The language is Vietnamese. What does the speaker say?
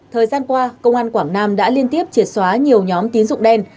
thời gian qua công an quảng nam đã liên tiếp triệt xóa nhiều nhóm tín dụng đen